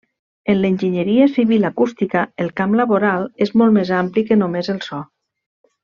En l'Enginyeria Civil Acústica, el camp laboral és molt més ampli que només el so.